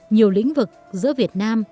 nhiều lĩnh vực giữa việt nam